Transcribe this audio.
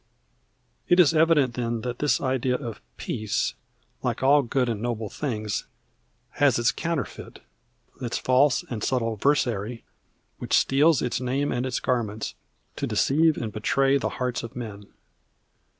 It is evident, then, that this idea of "peace," like all good and noble things, has its counterfeit, its false and subtle versary, which steals its name and its garments to deceive and betray the hearts of men.